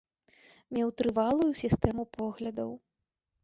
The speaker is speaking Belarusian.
Меў трывалую сістэму поглядаў.